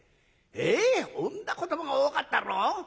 ええっ女子どもが多かったろ？